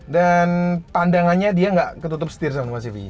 dan pandangannya dia ga ketutup setir sobat tempat cv